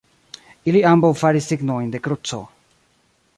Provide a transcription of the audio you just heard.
Ili ambaŭ faris signojn de kruco.